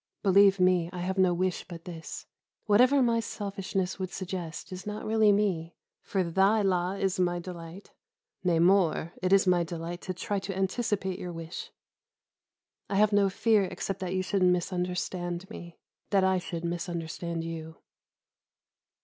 Believe me, I have no wish but this. Whatever my selfishness would suggest is not really me, for "Thy law is my delight"; nay more, it is my delight to try to anticipate your wish. I have no fear except that you should misunderstand me, that I should misunderstand you.